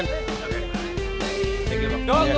terima kasih ya